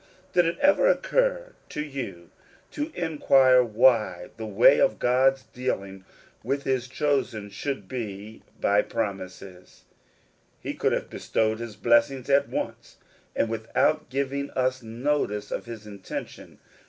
Did it ever occur to you to inquire why the way of God's dealing with his chosen should be by pro^n ises? He could have bestowed his blessings at once, and without giving us notice of his intention.